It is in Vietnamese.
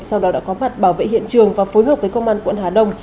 sau đó đã có mặt bảo vệ hiện trường và phối hợp với công an quận hà đông